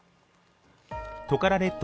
トカラ列島